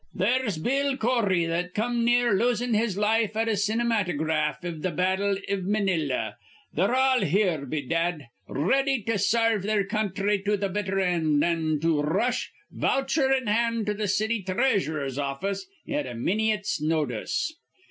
There's Bill Cory, that come near losin' his life at a cinematograph iv th' battle iv Manila. They're all here, bedad, r ready to sarve their country to th' bitter end, an' to r rush, voucher in hand, to th' city threasurer's office at a minyit's notice.